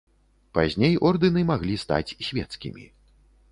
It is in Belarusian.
Пазней ордэны маглі стаць свецкімі.